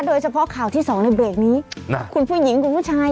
โดยเฉพาะข่าวที่สองในเบรกนี้คุณผู้หญิงคุณผู้ชาย